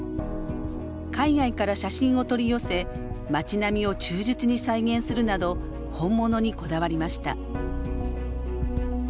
海外から写真を取り寄せ町並みを忠実に再現するなど本物にこだわりました。